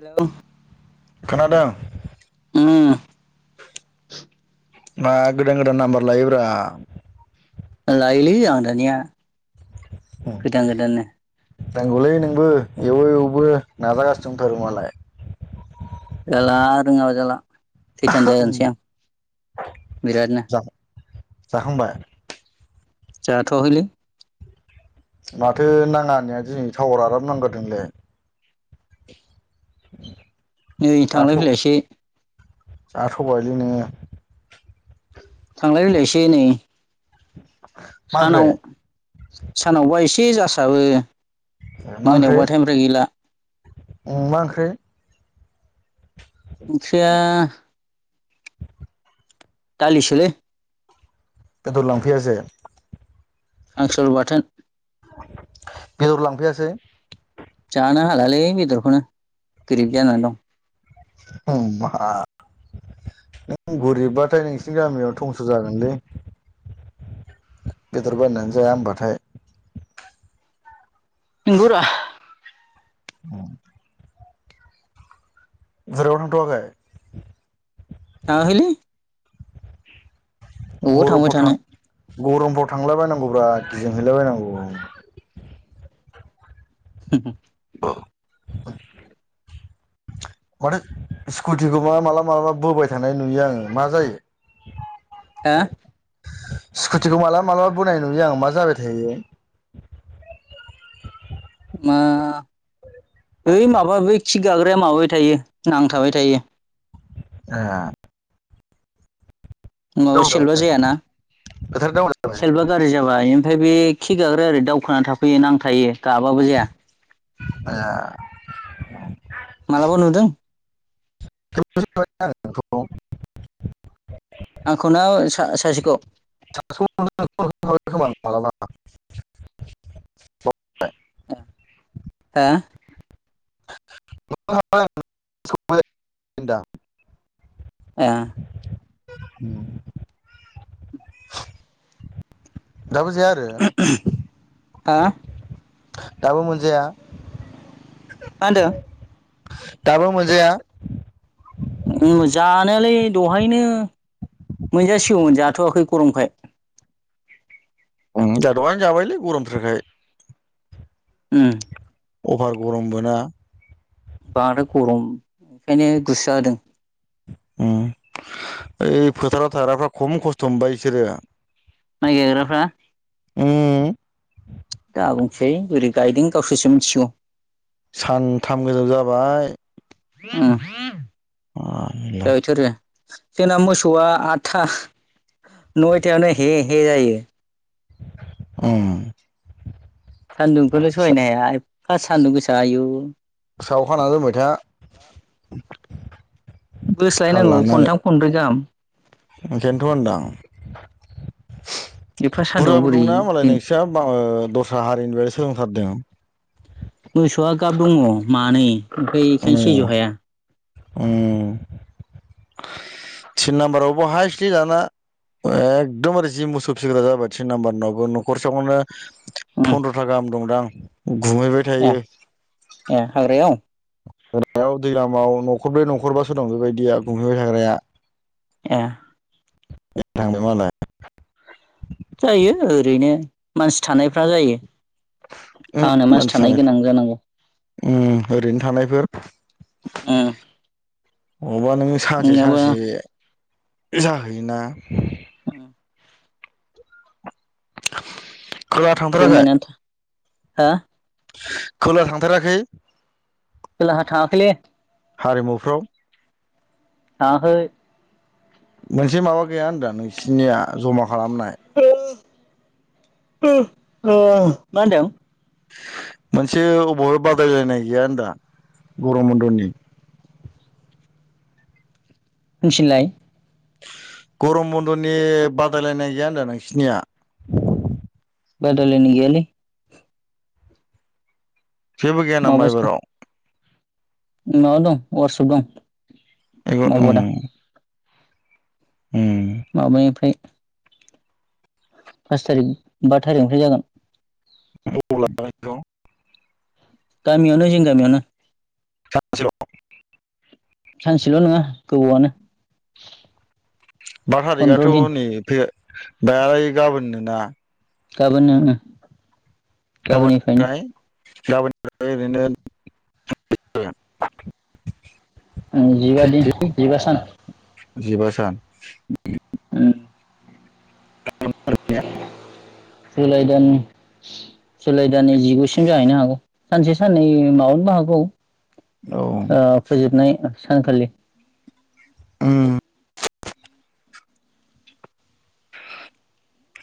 Hello, खोनादों उम मा गोदान गोदान नाम्बार लायोब्रा लायोलै आं दानिया गोदान गोदाननो रोंगौलै नोंबो एव एवबो नाजागासिनो दंथारो मालाय जाला रोङाबा जाला सैथान जायानसै आं। बिरादनो जाखां जाखांबाय? जाथ'आखैलै। माथो नाङा होननाया दिनै टावार आराम नांगोरदोंलाय। [inaudible] नै थांलाय फैलायसो। जा थ'गायोलै नोङो। थांलाय फैलायसो नै। मा सानाव ओंख्रि सानावबा एसे जासाबो। मोनायावबाथाइ ओमफ्राय गैला। उम मा ओंख्रै? ओंख्रिया दालिसोलै। बेदर लांफैयासै? हांसुर बाथोन। बेदर लांफैयासै? जानो हालालै बेदरखौनो गोरिब जानानै दं। उम बा। नों गोरिबाथाय नोंसिनि गामियाव धंस' जागोनलै। बेदर बायनानै जाया होमबाथाय। नोंगौरा। उम बरावबो थांथ'आखै? थाङाखैलै। अबाव थांबाय बरफाव थां। थानो गरमफ्राव थांलायबायनांगौब्रा गिदिंहैलाायबायनांगौ। [inaudible] औ माथो स्कुटिखौ मा मालाब मालाबा बोबाय थानाय नुयो आङो मा जायो? हो? स्कुटिखौ मालाबा मालाबा बोनाय नुयो आं मा जाबाय थायो? मा? ओइ माबा बै किक गाग्राया माबाबाय थायो नांथाबाय थायो। ए नङाबा सेल्फबा जायाना बोथोर दाउन जाबाय सेल्फबा गाज्रि जाबाय। ओमफ्राय बे खिक गाग्रा ओरै दावखोना थाफैयो नांथायो गाबाबो जाया। ए मालाबा नुदों? [unintelligible] आंखौ ना सा-सासेखौ? [unintelligible] मालाबा हा [unintelligible] ए उम दाबो जाया आरो? हो मा दाबो मोनजाया? मा होनदों? दाबो मोनजाया? उम जानायालाय दहायनो मोनजासिगौमोन जाथ'वाखै गरमखाय। उम जोहा दहैनो जाबायलै गरम उम अभार गरम बोना बांद्राय गरम ओंखायनो गोसा होदों उम ओइ फोथाराव थाग्राफ्रा खम खस्थ' मोनबाय बिसोरो माइ गायग्राफ्रा उम दा बुंसै बोरै गायदों गावसोरसो मिथिगौ सानथाम गोजौ जाबाय उम जाबायथ'रो जोंना मोसौआ आठथा नयथायावनो हे हे जायो उम सान्दुंखौल' सहायनो हाया एफा सान्दुं गोसा आयु [unintelligible] बोस्लायनांगौ खनथाम खनब्रै गाहाम ओंखान्थ' होनदो आं एफा सान्दुंआव बुरजाबो बोरै दंना मालाय नोंसा मा ओ दस्रा हारिनि [unintelligible] सोलोंथारदों मोसौआ गाब दङ मानै ओमफाय एखायनो सैज' उम हाया उम थिन नाम्बारावबो हाइस्लि दाना एखदमबारे जि मोसौ फिसिग्रा जाबाय थिन नाम्बार नावबो न'खरसेयावनो फन्द्र' था गाहाम दंदां गुमहैबाय ओ थायो ओ हाग्रायाव [unintelligible] न'खरब्रै न'खरबासो दं बेबायदिया गुमहैबाय थाग्राया ए [inaudible] मालाय जायो ओरैनो मानसि थानायफ्रा जायो फानो मास थानाय गोनां जानांगो उम ओरैनो थानायफोर उम अबा नों सानसे नङाबा सानसे जाहैयोना उम खोला थांफेराखै जमायनानै हा खोला थांथाराखै खोलाहा थाङाखैलै हारिमुफ्राव थाङाखै मोनसे माबा गैया होनदो आं नोंसिनिया जमा खालामनाय ओ ओ मा होनदों मोनसे अबेवहाय बादायलायनाय गैया होनदा गरम बन्दनि उनसिनलाय गरम बन्दनि बादायलायनाय गैया होनदो नोंसिनिया बायलायनाय गैयालै जेबो गैया नमा माबासो दं एबाराव [unintelligible] दं मावबादा [unintelligible] माबानिफ्राय पास थारिख बा थारिखनिफ्राय जागोन [inaudible] गामियावनो जों गामियावनो सानसेल' [unintelligible] सानसेल' नङा गोबावआनो बार थारिखआथ' फन्द्र' दिन नै फैगादालाय गाबोननोना गाबोन ओम गाबोननिफ्रायनो गाबोन ओरैनो [unintelligible] जिबा दिन जिबा सान जिबा सान ओम [inaudible] जलाय दानो [inaudible] जुलाइ दान जिगुसिम जाहैनो हागौ सानसे साननै माबानोबो हागौ औ ओ फोजोबनाय सानखालि उम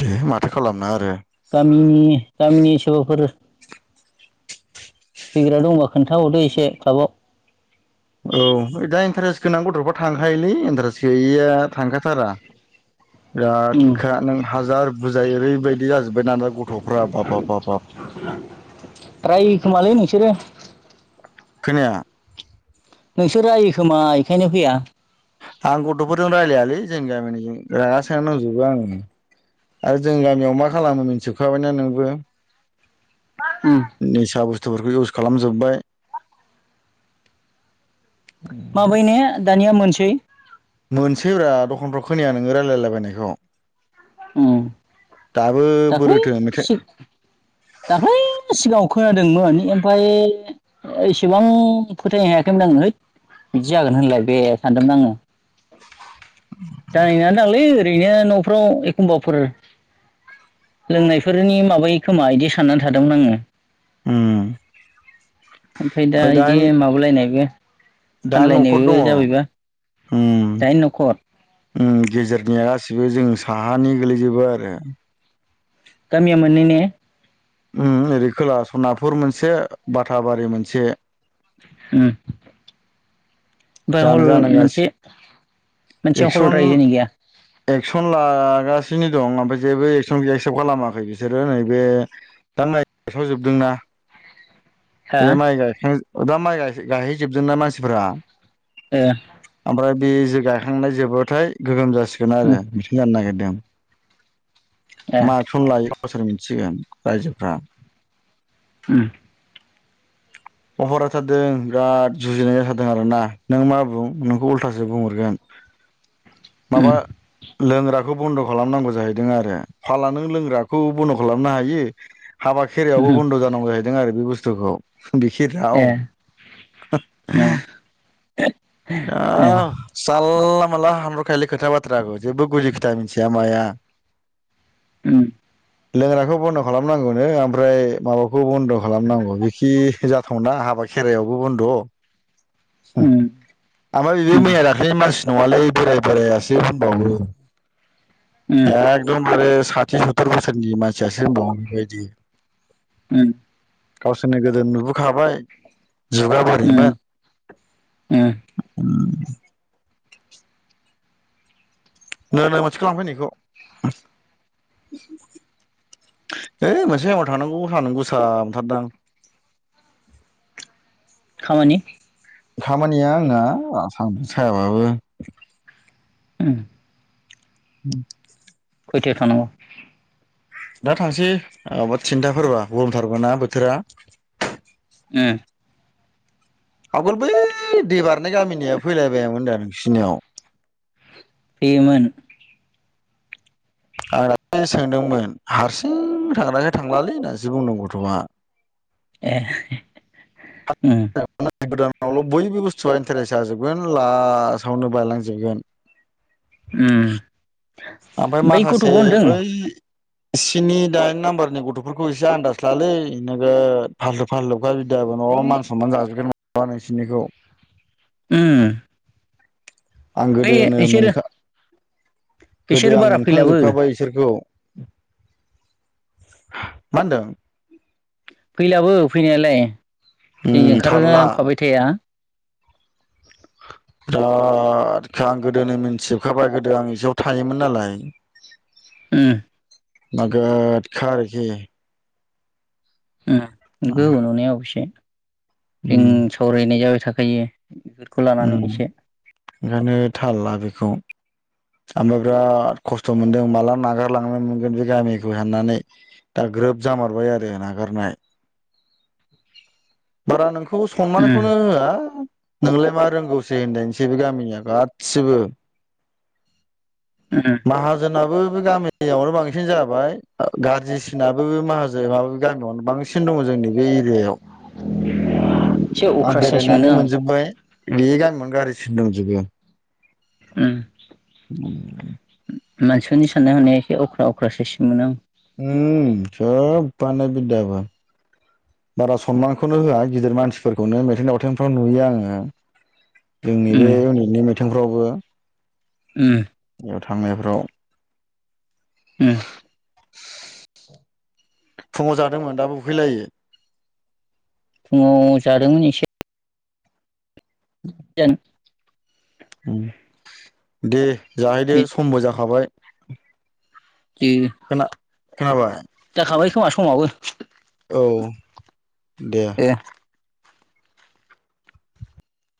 दे माथो खालामनो आरो गामिनि गामिनि सोबाफोर फैग्रा दंबा खोन्थाहरदो एसे क्लाबाव औ दा इन्टारेस्ट गोनां गथ'फ्रा थांखायोलै इन्टारेस्ट गैयैया थांखाथारा [inaudible] बिराद ओम खा नों हाजार बुजाय ओरैबायदि जाजोब्बाय ना गथ'फ्रा बाबाबाबाब रायो खोमालै नों [unintelligible] खोनाया नोंसोर रायो खोमा बेखायनो फैया आं गथ'फोरजों रायलायालै जोंनि गामिनिजों रागा सो जोंना दंजोबो आं आरो जों गामियाव मा खालामनो मोनथिबखाबायना नोंबो ओम निसा बुस [unintelligible] बुस्थुफोरखौ इउस खालामजोब्बाय माबैने दानिया मोनसै मोनसैब्रा दखानफ्राव खोनाया नोङो लायरायलाबायनायखौ उम दाख्लै बोरोथो मेथाइ दाख्लै सिगाङाव खोनानो [unintelligible] दोंमोन ओमफाय एसेबां फोथायनो हायाखैमोन आङो है बिदि जागोन होनलाय बे सानदोंमोन आङो जानाय नङा दांलै ओरैनो न'फ्राव एखमबाफोर लोंनायफोरनि माबायो खोमा इदि साननानै थादोंमोन आङो उम ओमफाय दा इदि दाइन माबालायनायबो दाइन न'खर दङ फानलायनायबो जाबायबा उम जाय न'खर उम गेजेरनिया गासैबो जों साहानि गोलैजोबो आरो गामिया मोनै ने? उम ओरै खोला सनापुर मोनसे बाथाबारि मोनसे ह ब जानो हल जानांगासिनो मोनसे [unintelligible] मोनसे हल एक्सन रायजोनि गैया एक्सन लागासि [unintelligible] सिनो दं ओमफ्राय जेबो एक्सन एक्सेप्ट खालामाखै बिसोरो नैबे दा माय गायसावजोबदोंना हा [unintelligible] बे माइ गायखां दा माइ गायहैजोबदों नना मानसिफ्रा ए बे जो गायखांनाय जोबाथाय गोगोम जासिगोन उम आरो मिथिं जानो नागिरदों ए माखौ लायो गावसोर मिथिसिगोन रायजोफ्रा [unintelligible] उ [inaudible] अबारथारदों बिराद जुजिनाय जाथारदों आरोना नों मा बुं नोंखौ उल्थासो बुंहरगोन उम माबा लोंग्रा खौ बन्द' खालामनांगौ जाहैदों आरो फाला नों लोंग्राखौ बन्द' खालामनो हायो। हाबा खेराइायावबो उम बन्द' जानांगौ जाहैदों आरो बे बुस्थुखौ। ए खेराव। ओ ए आ जालला। माला हामर'खायल खोथा बाथ्रा आखौ जेबो गुदि खोथा मिथिया माया। उम। लोंग्राखौ बन्द' खालामनांगौनो ओमफ्राय माबाखौ बन्द' खालामनांगौ बिखि जाथावना हाबा खेराइायावबो बन्द' उम उम आमा बेबो मैया दाख्ललि मानसि नङालाय बोराय बोरायासै होनबावो उम एकदमबारे। साथि सतुर बोसोरनि मानसियासो होनबावो बेबायदि। ओम। गावसोरनो गोदो नुबोखाबाय। जुगा उम बोरैमोन। उम नो नो मोनसेखौ लांफै नै बेखौ। ओइ मोनसे आमाव थांनांगौ सानांगौसा मोनथारदां। [unintelligible] खामानि। खामानिया आंना आसाम सायाबाबो। ओम। उम। खयथायाव थानांगौ। दा थांसै माबा थिनथाफोरबा गरमथारबो ना बोथोरा। [inaudible] आगोल बै दै बारनाय गामिनिया फैलायबायामोन दा नोंसिनियाव। फैयोमोन। आं दाखालि सोंदोंमोन हारसिं थांग्राखो थांलालै होनना सो बुंदों गथ'आ। [unintelligible] ए। उम [inaudible] आनावल' बयबो बुस्थुआ इन्टारेस्ट जाजोबगोन लासावनो बायलांजोबगोन! उम ओमफ्राय बै गथ'खौ माखासे होनदों ओइ। स्नि दाइन नाम्बारनि गथ'फोरखौ एसे आनन्दाज लालै नोगोद फालथु फाललु। उफाय बिदाबो न' मान सनमान जाजोबगोन माबा नोंसोरनिखौ। ओम। आं गोदोनो मोनखा। गोदो बिसोर आं बारा फैलाबो मोनखांजोबखाबाय इसोरखौ मा होनदों। फैलाबो फैनायालाय उम नै ओंखारा थारला फाबाय थाया। बिराद आं गोदोनो मिथिजोबखाबाय गोदो आं ज थायोमोन नालाय। उम नोगोदखा आरोखि। ओं नंगौ नंनाया अबेसे। उम जों सावरायनाय जाबाय थाखायो बेफोरखौ उम लानानै एसे ओंखायनो थाल ला बेखौ ओमफ्राय बिराद खस्थ' मोनदों माला नागारलांनो मोनगोन बे गामिखौ होननानै दा। ग्रोब जामारबाय आरो नागारनाय बारा नों। खौ उम सनमानखौनो होआ। नोंलाय मा रोंगौसै होनदसै बे गामिनिया गासिबो। उम माहाजोनाबो गामियावनो बांसिन जाबाय गाज्रिसिनाबो माहाज माब गामियावनो बांसिन दङ जोंनि बे एरियायाव एसे आं अख्रा साइस मोनो बेरायनानै आं मोनजोब्बाय बेगां [unintelligible] मोनग आरो स दजोबो उम उ [inaudible] मानसिफोरनि साननाय हनाया एखे अख्रा अख्रा सायसनि मोनो आं उम सबानो बिदाबा बारा सनमानखौनो होआ गिदिर मानसिफोरखौनो मिथिं दावथिंफ्राव नुयो आंङो जोंनि बे उम इउनिटनि मिथिंफ्रावबो उम बेयाव थांनायफ्राव उम फुंङाव जादोंमोन दाबो उखैलायै फुंङाव जादोंमोन एसे एन [unintelligible] दे जाहैदो समबो जाखाबाय दे खोना खोनाबाय समाबो औ दे